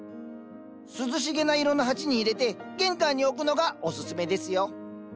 涼しげな色の鉢に入れて玄関に置くのがおすすめですよ。